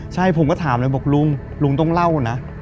ใช่ผมก็ถามเลยบอกลุงลุงต้องเล่านะ